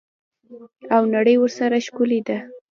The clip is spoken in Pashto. او نړۍ ورسره ښکلې ده.